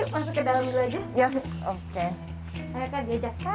masuk ke dalam dulu aja